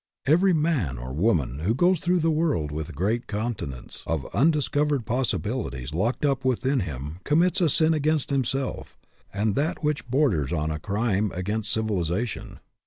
Every man or woman who goes through the world with great continents of undis covered possibilities locked up within him com mits a sin against himself and that which borders on a crime against civilization.